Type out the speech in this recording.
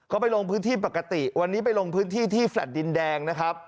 เขาไปลงพื้นที่ปกติวันนี้ไปลงพื้นที่ที่แลตดินแดงนะครับ